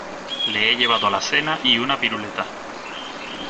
le he llevado la cena y una piruleta.